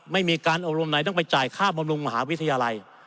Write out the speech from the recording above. ไม่มีการอบรมไหนต้องไปจ่ายค่าบำรุงมหาวิทยาลัย